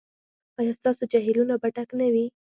ایا ستاسو جهیلونه به ډک نه وي؟